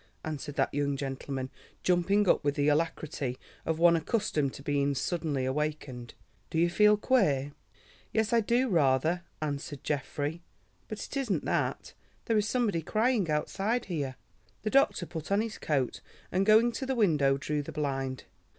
answered that young gentleman, jumping up with the alacrity of one accustomed to be suddenly awakened. "Do you feel queer?" "Yes, I do rather," answered Geoffrey, "but it isn't that. There is somebody crying outside here." The doctor put on his coat, and, going to the window, drew the blind.